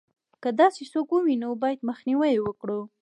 که داسې څوک ووینو باید مخنیوی یې وکړو.